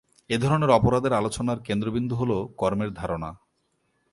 এই ধরনের অপরাধের আলোচনার কেন্দ্রবিন্দু হল কর্মের ধারণা।